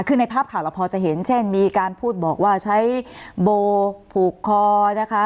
คือในภาพข่าวเราพอจะเห็นเช่นมีการพูดบอกว่าใช้โบผูกคอนะคะ